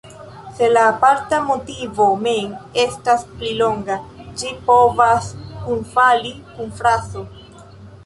Se la aparta motivo mem estas pli longa, ĝi povas kunfali kun frazo.